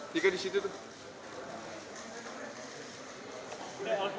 tiga disitu tuh